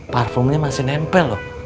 parfumnya masih nempel loh